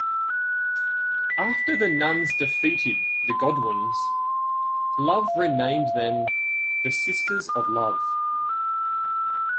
After the Nuns defeated The Godwinns, Love renamed them the Sisters of Love.